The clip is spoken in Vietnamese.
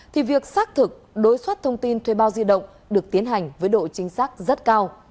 thì việc xác thực đối soát thông tin thuê bao di động được tiến hành với độ chính xác rất cao